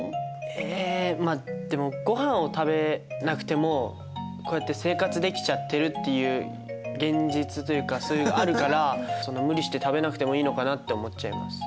えまあでもごはんを食べなくてもこうやって生活できちゃってるっていう現実というかそういうあるからそんな無理して食べなくてもいいのかなって思っちゃいます。